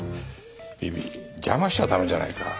ビビ邪魔しちゃ駄目じゃないか。